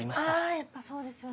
やっぱそうですよね。